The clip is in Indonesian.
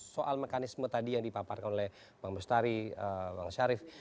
soal mekanisme tadi yang dipaparkan oleh bang bestari bang syarif